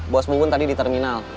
bos mungun tadi di terminal